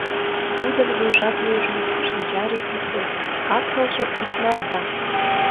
Тудын вуйжат нӱжмӧ, шинчаже писе, кап-кылже икмарда.